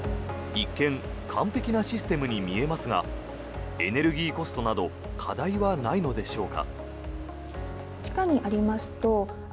一見完璧なシステムに見えますがエネルギーコストなど課題はないのでしょうか。